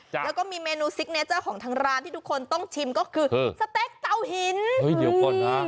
แล้วก็มีเมนูซิกเนเจอร์ของทางร้านที่ทุกคนต้องชิมก็คือสเต็กเตาหินเฮ้ยเดี๋ยวก่อนนะ